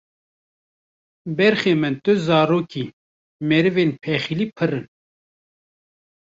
Berxê min tu zarokî, merivên pexîlî pirin